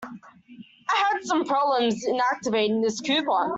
I had some problems in activating this coupon.